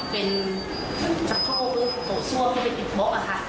เป็นสักข้อตัวซั่วที่เป็นติดเบาะอ่ะค่ะ